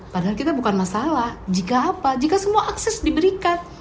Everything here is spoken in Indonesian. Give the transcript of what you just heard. padahal kita bukan masalah jika apa jika semua akses diberikan